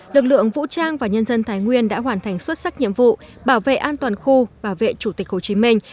lực lượng vũ trang và nhân dân thái nguyên đã hoàn thành xuất sắc nhiệm vụ bảo vệ an toàn khu bảo vệ chủ tịch hồ chí minh